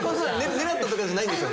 狙ったとかじゃないんですよ。